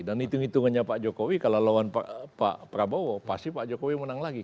dan hitung hitungannya pak jokowi kalau lawan pak prabowo pasti pak jokowi menang lagi